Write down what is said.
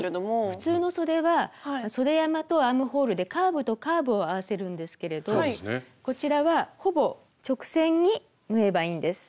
普通のそではそで山とアームホールでカーブとカーブを合わせるんですけれどこちらはほぼ直線に縫えばいいんです。